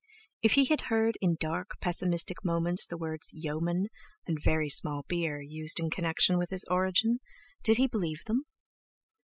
If he had heard in dark, pessimistic moments the words "yeomen" and "very small beer" used in connection with his origin, did he believe them?